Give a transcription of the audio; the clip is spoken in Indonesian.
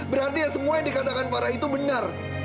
berarti yang semua dikatakan parah itu benar